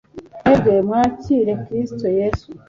mwebwe mwakire kiristo yesu